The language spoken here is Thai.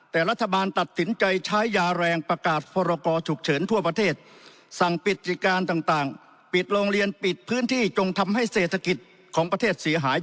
แต่รัฐบาลตัดสินใจใช้ยาแรงประกาศพอรากอถูกเฉินทั่วประเทศ